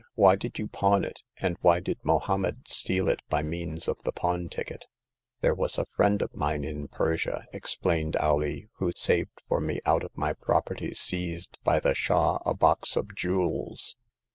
Why did you pawn it, and why did Mohommed steal it by means of the pawn ticket ?"There was a friend of mine in Persia," ex plained Alee, who saved for me out of my prop erty seized by the Shah a box of jewels.